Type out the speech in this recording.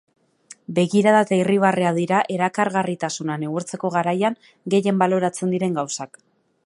Begirada eta irribarrea dira erakargarritasuna neurtzeko garaian gehien baloratzen diren gauzak.